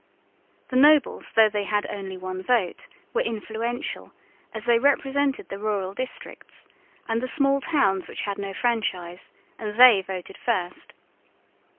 The nobles, though they had only one vote, were influential, as they represented the rural districts and the small towns which had no franchise, and they voted first.